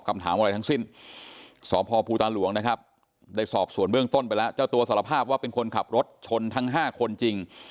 ไม่ควรที่จะเป็นทหาร